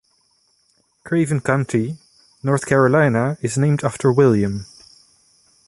Craven County, North Carolina is named after William.